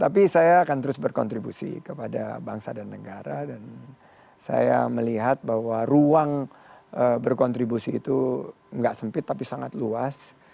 tapi saya akan terus berkontribusi kepada bangsa dan negara dan saya melihat bahwa ruang berkontribusi itu nggak sempit tapi sangat luas